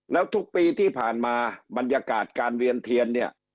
แล้วทุกปีที่ผ่านมาบรรยากาศการเวียนเทียนเนี่ย